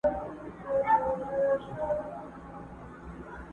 چي به د اور له پاسه اور راځي!.